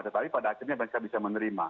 tetapi pada akhirnya mereka bisa menerima